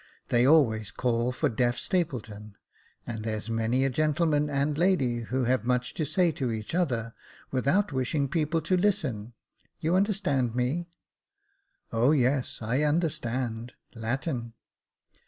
They always call for Deaf Stapleton : and there's many a gentleman and lady, who have much to say to each other, without wishing people to listen — you understand me ?"" O yes, I understand — Latin